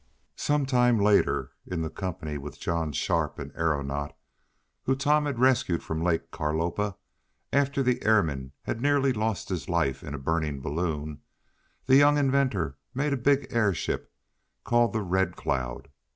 Some time later, in company with John Sharp, an aeronaut, whom Tom had rescued from Lake Carlopa, after the airman had nearly lost his life in a burning balloon, the young inventor made a big airship, called the Red Cloud.